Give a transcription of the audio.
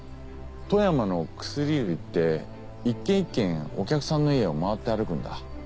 富山の薬売りって１軒１軒お客さんの家を回って歩くんだ。